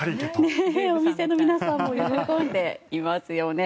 お店の皆さんも喜んでいますよね。